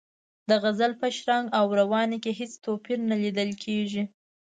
د غزل په شرنګ او روانۍ کې هېڅ توپیر نه لیدل کیږي.